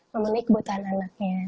memenuhi kebutuhan anaknya